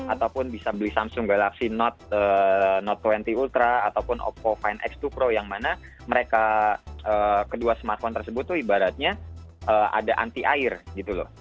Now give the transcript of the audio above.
ataupun bisa beli samsung galaxy note dua puluh ultra ataupun oppo lima x dua pro yang mana mereka kedua smartphone tersebut tuh ibaratnya ada anti air gitu loh